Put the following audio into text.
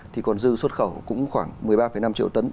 thì còn dư xuất khẩu cũng khoảng một mươi ba năm triệu tấn